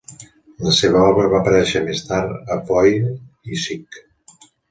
La seva obra va aparèixer més tard a "Fooey" i "Sick".